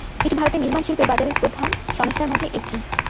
এটি ভারতের নির্মাণ শিল্পের বাজারের প্রধান সংস্থার মধ্যে একটি।